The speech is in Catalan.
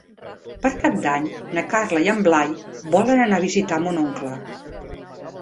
Per Cap d'Any na Carla i en Blai volen anar a visitar mon oncle.